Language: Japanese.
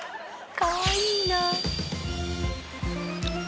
かわいいな。